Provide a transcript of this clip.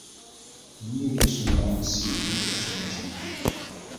Olumu ndya ssoya omusiike ku kyenkya.